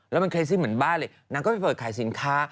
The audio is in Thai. แล้วมันเคสซิ่งเหมือนบ้านเลยนางก็ไปเปิดขายสินค้า